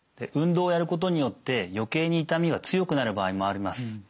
運動をやることによって余計に痛みが強くなる場合もあります。